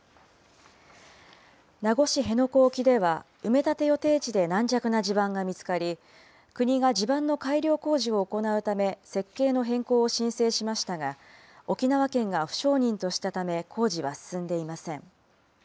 名護市辺野古沖では、埋め立て予定地で軟弱な地盤が見つかり、国が地盤の改良工事を行うため、設計の変更を申請しましたが、沖縄県が不承認としたため工事は進んでいません。